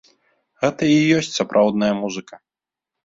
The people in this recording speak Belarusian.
Гэта і ёсць сапраўдная музыка!